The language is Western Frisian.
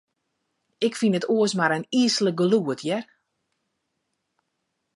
Ik fyn it oars mar in yslik gelûd, hear.